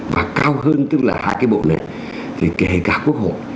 và cao hơn tức là hai cái bộ lệ thì kể cả quốc hội